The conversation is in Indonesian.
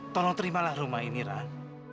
tolong terimalah rumah ini rah